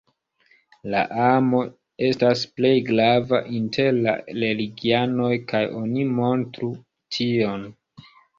La amo estas plej grava inter la religianoj kaj oni montru tion.